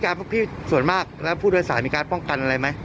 พวกพี่ส่วนมากแล้วผู้โดยสารมีการป้องกันอะไรไหม